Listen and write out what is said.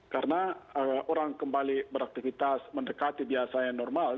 karena orang kembali beraktifitas mendekati biasa yang normal